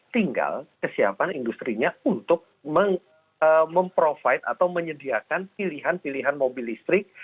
tinggal kesiapan industri nya untuk memprovide atau menyediakan pilihan pilihan mobil listrik